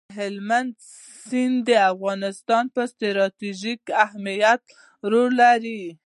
هلمند سیند د افغانستان په ستراتیژیک اهمیت کې رول لري.